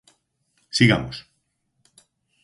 Sigamos.